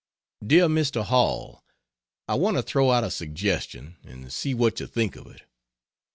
DEAR MR. HALL, I want to throw out a suggestion and see what you think of it.